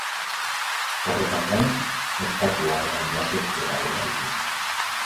Horretaz gain, ostatua eta jatetxea ere baditu.